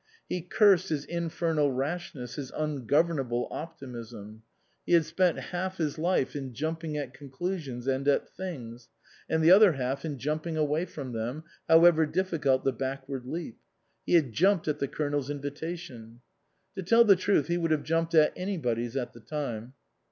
He cursed his infernal rash ness, his ungovernable optimism; he had spent half his life in jumping at conclusions and at things, and the other half in jumping away from them, however difficult the backward leap. He had jumped at the Colonel's invi tation. To tell the truth, he would have jumped at anybody's at the time.